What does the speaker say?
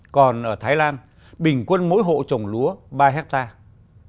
còn ở thái lan bình quân mỗi hộ trồng lúa ba hectare